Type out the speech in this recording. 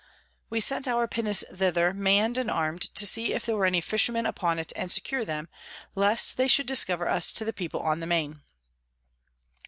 We sent our Pinnace thither mann'd and arm'd, to see if there were any Fishermen upon it and secure 'em, lest they should discover us to the People on the Main.